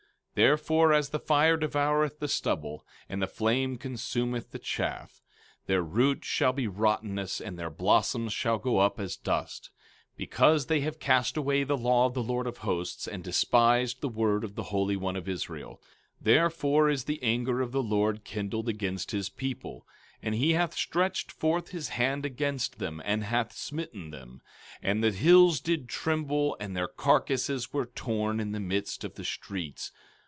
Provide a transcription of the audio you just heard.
15:24 Therefore, as the fire devoureth the stubble, and the flame consumeth the chaff, their root shall be rottenness, and their blossoms shall go up as dust; because they have cast away the law of the Lord of Hosts, and despised the word of the Holy One of Israel. 15:25 Therefore, is the anger of the Lord kindled against his people, and he hath stretched forth his hand against them, and hath smitten them; and the hills did tremble, and their carcasses were torn in the midst of the streets.